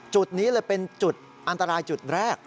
จุดนี้เลยเป็นจุดอันตรายจุดแรก